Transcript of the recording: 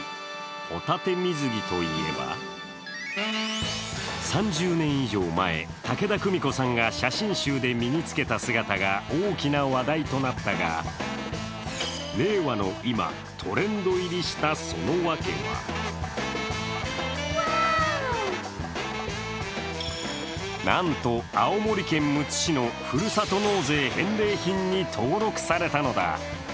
ホタテ水着といえば、３０年以上前、武田久美子さんが写真集で身につけた姿が大きな話題となったが、令和の今、トレンド入りしたそのワケはなんと青森県むつ市のふるさと納税返礼品に登録されたのだ。